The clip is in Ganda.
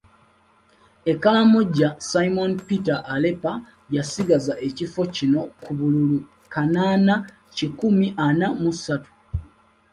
E Karamoja Simon Peter Aleper yasigazza ekifo kino ku bululu kanaana kikumi ana mu ssatu.